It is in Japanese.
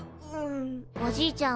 おじいちゃん